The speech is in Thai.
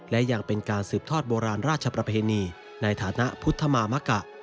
และยังเป็นการสืบทอดโบราณราชประเพณีในฐานะพุทธมามกะ